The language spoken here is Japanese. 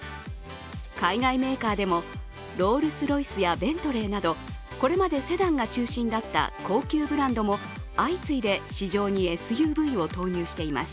海外メーカーでもロールスロイスやベントレーなどこれまでセダンが中心だった高級ブランドも、相次いで市場にＳＵＶを投入しています。